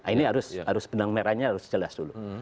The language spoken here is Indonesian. ini harus benang merahnya harus jelas dulu